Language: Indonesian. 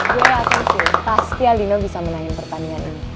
gue yakin sih pasti alino bisa menang pertandingan ini